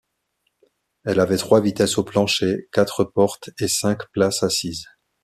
Elle avait trois vitesses au plancher, quatre portes et cinq places assises.